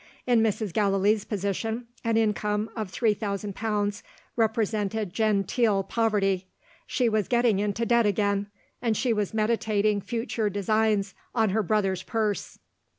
In Mrs. Gallilee's position, an income of three thousand pounds represented genteel poverty. She was getting into debt again; and she was meditating future designs on her brother's purse.